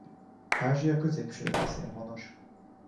Ázsia középső részén honos.